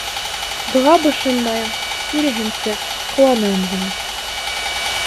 Быға бошонмайым, киреһенсә, ҡыуанам ғына.